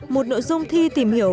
một nội dung thi tìm hiểu